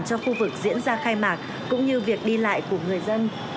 cho khu vực diễn ra khai mạc cũng như việc đi lại của người dân